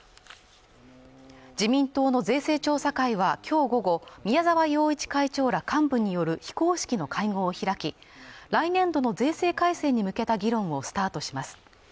自民党の税制調査会はきょう午後宮沢洋一会長ら幹部による非公式の会合を開き来年度の税制改正に向けた議論をスタートします